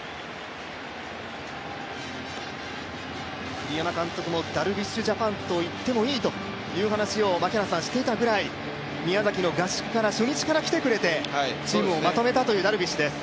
栗山監督もダルビッシュジャパンといってもいいという話をしていたぐらい宮崎の合宿から、初日から来てくれてチームをまとめたというダルビッシュです。